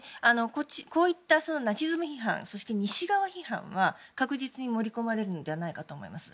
こういったナチズム批判そして、西側批判は確実に盛り込まれるのではないかと思います。